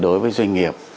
để đối với doanh nghiệp